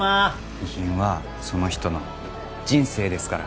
遺品はその人の人生ですから。